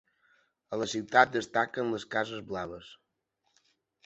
A la ciutat destaquen les cases blaves.